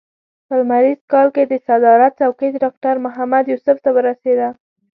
په لمریز کال کې د صدارت څوکۍ ډاکټر محمد یوسف ته ورسېده.